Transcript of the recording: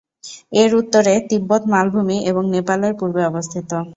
এর উত্তরে তিব্বত মালভূমি এবং নেপাল এর পূর্বে অবস্থিত।